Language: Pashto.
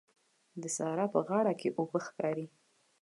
د سارا په غاړه کې اوبه ښکاري.